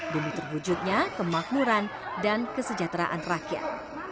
demi terwujudnya kemakmuran dan kesejahteraan rakyat